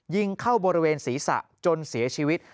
ยิงเข้าบริเวณศีรษะจนเสียชีวิต